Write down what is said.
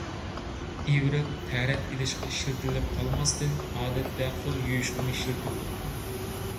ئىۋرىق تەرەت ئېلىشقا ئىشلىتىلىپ قالماستىن، ئادەتتە قول يۇيۇشقىمۇ ئىشلىتىلىدۇ.